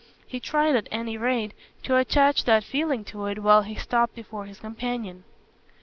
He tried at any rate to attach that feeling to it while he stopped before his companion.